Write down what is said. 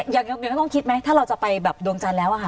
อยากยุ่งไม่ต้องคิดไหมถ้าเราจะไปดวงจันตร์แล้ว